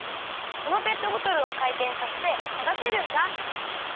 このペットボトルをかいてんさせてたたせるんだ！